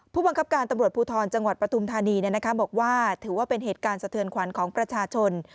ผู้บังคับการตำรวจภูทรจังหวัดปฐุมธานีบอกว่าถือว่าเป็นเหตุการณ์สะเทือนขวัญของประชาชน